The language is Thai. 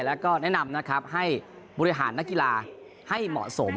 และก็แนะนำให้บริหารนักกีฬาให้เหมาะสม